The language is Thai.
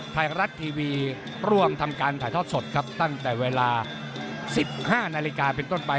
ไทยรัฐทีวีร่วมทำการถ่ายทอดสดครับตั้งแต่เวลา๑๕นาฬิกาเป็นต้นไป